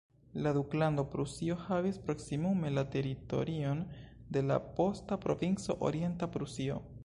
La duklando Prusio havis proksimume la teritorion de la posta provinco Orienta Prusio.